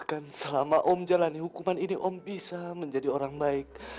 bahkan selama om menjalani hukuman ini om bisa menjadi orang baik